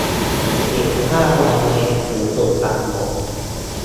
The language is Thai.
อีก ห้าร้อยเมตร ถึงจุดกลับรถ